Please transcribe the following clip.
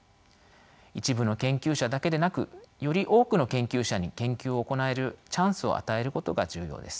一部の研究者だけでなくより多くの研究者に研究を行えるチャンスを与えることが重要です。